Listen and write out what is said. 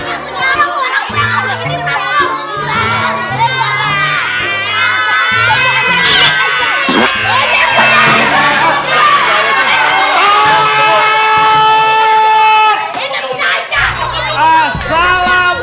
assalamualaikum warahmatullahi wabarakatuh